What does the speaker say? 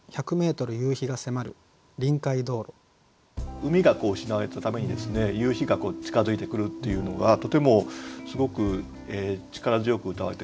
海が失われたために夕日が近づいてくるというのがとてもすごく力強くうたわれてるなと思いました。